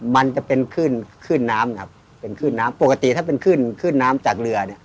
มันจะเป็นขึ้นขึ้นน้ำครับเป็นขึ้นน้ำปกติถ้าเป็นขึ้นขึ้นน้ำจากเรือเนี่ย